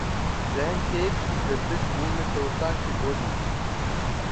ذہن ٹیپ کی گردش منہ میں طوطوں کی بولی